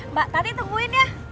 mbak tati tungguin ya